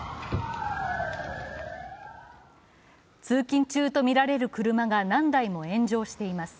通勤中とみられる車が何台も炎上しています。